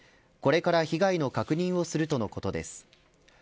これから被害の確認をするとのことです。